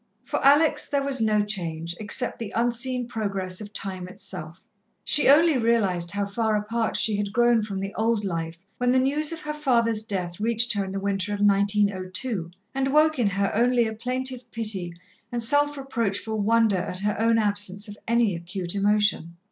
For Alex there was no change, except the unseen progress of time itself. She only realized how far apart she had grown from the old life when the news of her father's death reached her in the winter of 1902, and woke in her only a plaintive pity and self reproachful wonder at her own absence of any acute emotion.